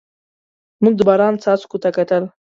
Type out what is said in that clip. موږ د باران څاڅکو ته کتل.